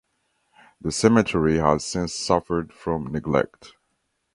The cemetery has since suffered from neglect.